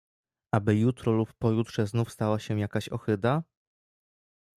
"Aby jutro lub pojutrze znów stała się jakaś ohyda?"